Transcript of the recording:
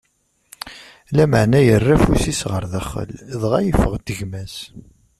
Lameɛna yerra afus-is ɣer daxel, dɣa yeffeɣ-d gma-s.